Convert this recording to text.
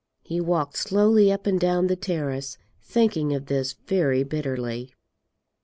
He walked slowly up and down the terrace, thinking of this very bitterly.